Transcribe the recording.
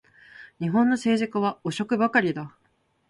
日本の政治家は汚職ばかりだ